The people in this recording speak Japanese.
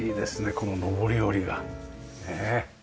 この上り下りが。ねえ。